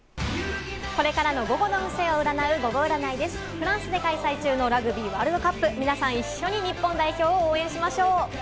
フランスで開催中のラグビーワールドカップ、皆さん一緒に日本代表を応援しましょう。